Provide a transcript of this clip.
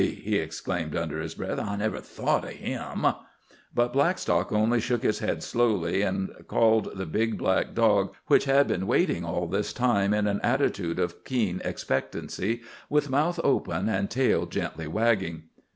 he exclaimed, under his breath. "I never thought o' him!" But Blackstock only shook his head slowly, and called the big black dog, which had been waiting all this time in an attitude of keen expectancy, with mouth open and tail gently wagging.